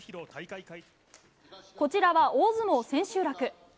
こちらは大相撲千秋楽。